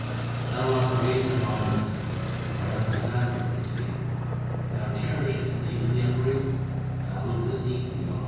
Thou art great and omnipotent ; my understanding is feeble. Thou cherishest even the ungrateful ; Thou lookest equally on all.